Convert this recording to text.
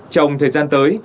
trong thời gian tới